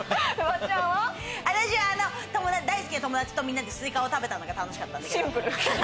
私は大好きな友達とみんなでスイカを食べたのが楽しかったんだけど。